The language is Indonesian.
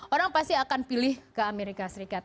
orang pasti akan pilih ke amerika serikat